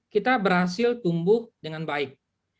kita berhasil tumbuh dengan baik